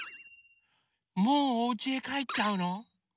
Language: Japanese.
もうおうちへかえっちゃうの？